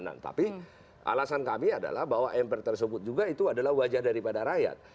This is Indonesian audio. nah tapi alasan kami adalah bahwa mpr tersebut juga itu adalah wajah daripada rakyat